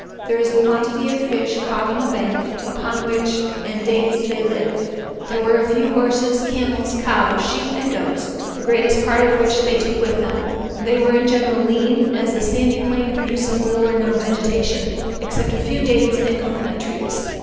There is a quantity of fish caught on the bank, upon which and dates they live. There were a few horses, camels, cows, sheep, and goats; the greatest part of which they took with them; they were in general lean, as the sandy plain produces little or no vegetation, except a few dates and cocoa nut trees.